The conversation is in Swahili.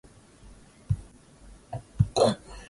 Sehemu tangulizi mbeleya gamba la nje mwa ubongo hasa singulati ya